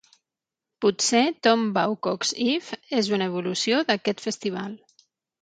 Potser Tom Bawcock's Eve és una evolució d'aquest festival.